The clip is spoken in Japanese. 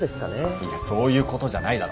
いやそういうことじゃないだろ？